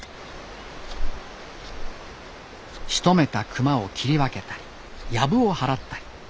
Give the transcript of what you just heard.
しとめた熊を切り分けたりヤブを払ったり。